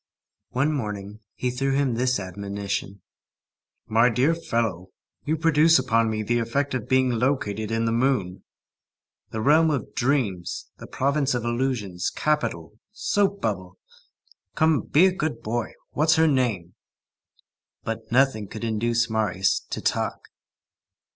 One morning, he threw him this admonition:— "My dear fellow, you produce upon me the effect of being located in the moon, the realm of dreams, the province of illusions, capital, soap bubble. Come, be a good boy, what's her name?" But nothing could induce Marius "to talk."